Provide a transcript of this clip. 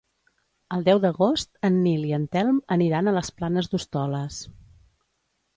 El deu d'agost en Nil i en Telm aniran a les Planes d'Hostoles.